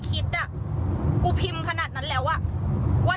กินให้ดูเลยค่ะว่ามันปลอดภัย